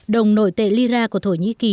đồng nội tệ lyra của thổ nhĩ kỳ